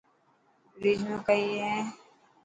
فريج ۾ ڪئي هي.